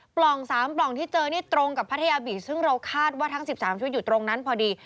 กล่อง๓ปล่องที่เจอนี่ตรงกับพัทยาบีซึ่งเราคาดว่าทั้ง๑๓ชุดอยู่ตรงนั้นพอดี